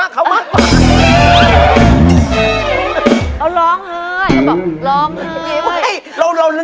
กรรด้วยอะ